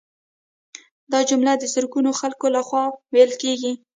دا جمله د زرګونو خلکو لخوا ویل کیږي